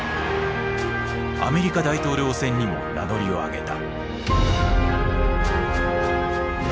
アメリカ大統領選にも名乗りを上げた。